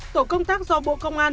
tổ công tác do bộ công an